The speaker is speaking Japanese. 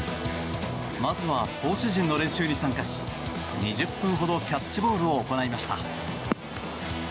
まずは投手陣の練習に参加し２０分ほどキャッチボールを行いました。